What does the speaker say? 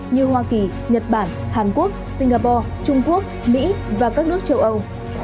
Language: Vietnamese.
như hoa kỳ nhật bản hàn quốc singapore trung quốc mỹ và các nước châu âu